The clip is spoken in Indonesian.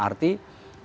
jadi kita bisa lihat